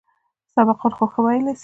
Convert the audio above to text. سبقان خو ښه ويلى سئ.